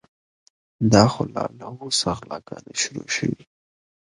دا خو لا له اوسه غلاګانې شروع شوې.